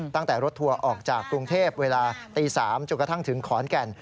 ตั้งแต่รถทัวร์ออกจากกรุงเทพเวลาตี๓จนกระทั่งถึงขอนแก่น